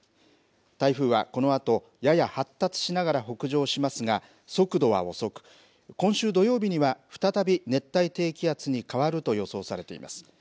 台風はこのあと、やや発達しながら北上しますが、速度は遅く、今週土曜日には再び、熱帯低気圧に変わると予想されています。